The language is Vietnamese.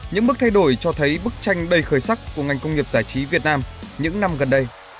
những bước thay đổi cho thấy bức tranh đầy khởi sắc của ngành công nghiệp giải trí việt nam những năm gần đây